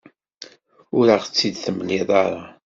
Ur aɣ-tt-id-temliḍ ara.